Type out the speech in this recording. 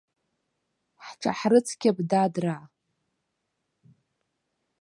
Ҳҽаҳрыцқьап, дадраа.